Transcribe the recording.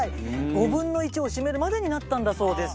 ５分の１を占めるまでになったんだそうです。